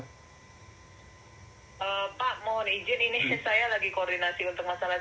pak mohon izin ini saya lagi koordinasi untuk masalah